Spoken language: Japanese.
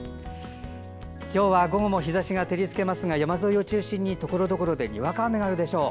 今日は午後も日ざしが照り付けますが山沿いを中心にところどころでにわか雨があるでしょう。